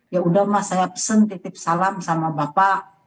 ya sudah mak saya pesan titip salam sama bapak